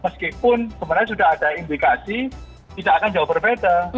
meskipun sebenarnya sudah ada indikasi tidak akan jauh berbeda